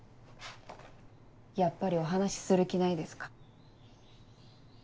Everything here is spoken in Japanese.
やっぱりお話しする気ないですか？